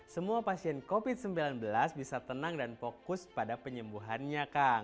semua pasien covid sembilan belas bisa tenang dan fokus pada penyembuhannya kang